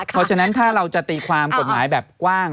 เพราะฉะนั้นถ้าเราจะตีความกฎหมายแบบกว้าง